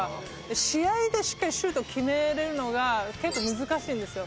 試合でしっかりシュートを決められるのが結構難しいんですよ。